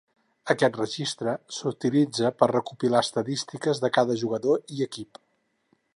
Aquest registre s'utilitza per recopilar estadístiques de cada jugador i equip.